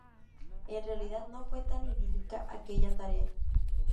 En realidad, no fue tan idílica aquella tarea.